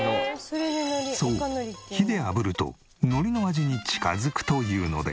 そう火で炙ると海苔の味に近づくというので。